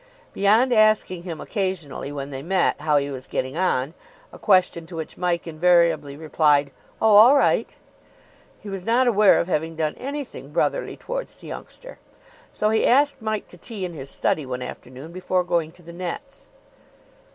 Beyond asking him occasionally, when they met, how he was getting on (a question to which Mike invariably replied, "Oh, all right"), he was not aware of having done anything brotherly towards the youngster. So he asked Mike to tea in his study one afternoon before going to the nets.